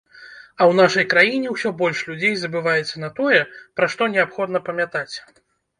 А ў нашай краіне ўсё больш людзей забываецца на тое, пра што неабходна памятаць!